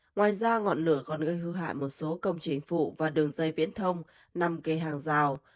ngoài ra ngọn lửa còn gây hư hại một số công trình phụ và đường dây viễn thông nằm gây hàng rào